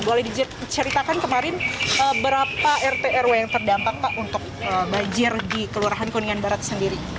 boleh diceritakan kemarin berapa rt rw yang terdampak pak untuk banjir di kelurahan kuningan barat sendiri